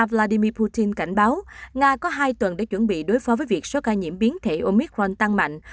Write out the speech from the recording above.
vladimir putin cảnh báo nga có hai tuần để chuẩn bị đối phó với việc số ca nhiễm biến thể omicron tăng mạnh